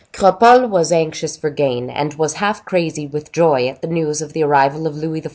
Cropole was anxious for gain, and was half crazy with joy at the news of the arrival of Louis XIV.